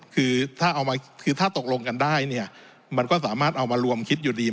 คือถ้าตกลงกันได้มันก็สามารถเอามารวมคิดอยู่ดี